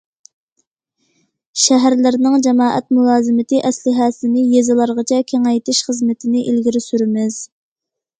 شەھەرلەرنىڭ جامائەت مۇلازىمىتى ئەسلىھەسىنى يېزىلارغىچە كېڭەيتىش خىزمىتىنى ئىلگىرى سۈرىمىز.